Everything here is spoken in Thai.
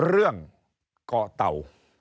เรื่องเกาะเต่า